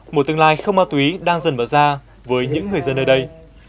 một tương lai không ma túy đang dần mở ra với những người dân ở đây